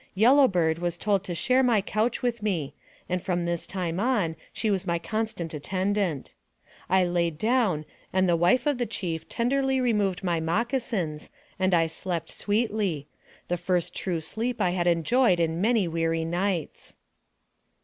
Yellow Bird was told to share my couch with me, and from this time on she was my constant attendant. I laid down, and the wife of the chief tenderly removed my moccasins, and I slept sweetly the first true sleep I had enjoyed in many weary nights.